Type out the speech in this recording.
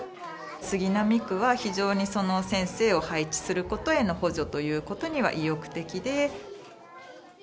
杉並区は非常に先生を配置することへの補助ということには意欲的で。